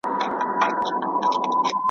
د دنیا له هر قدرت سره په جنګ یو `